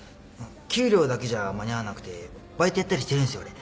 給料だけじゃ間に合わなくてバイトやったりしてるんすよ俺。